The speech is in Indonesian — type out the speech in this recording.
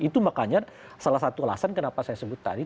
itu makanya salah satu alasan kenapa saya sebut tadi